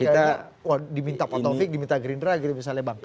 ini karena diminta pak taufik diminta gerindra diminta misalnya bang ferry